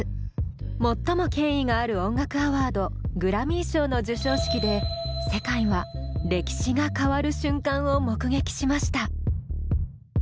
最も権威のある音楽アワードグラミー賞の授賞式で世界は歴史が変わる瞬間を目撃しました。